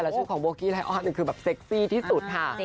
ชุดของโบกิลายออตนี่คือแบบเซ็กซี่ที่สุดค่ะ